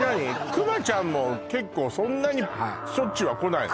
クマちゃんも結構そんなにしょっちゅうは来ないの？